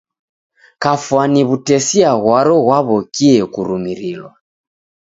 Kafwani w'utesia ghwaro ghwaw'okie kurumirilwa.